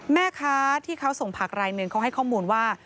แม่ค้าที่เขาส่งผักรายหนึ่งเขาให้ข้อมูลว่า